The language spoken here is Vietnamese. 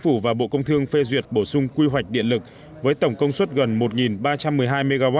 phủ và bộ công thương phê duyệt bổ sung quy hoạch điện lực với tổng công suất gần một ba trăm một mươi hai mw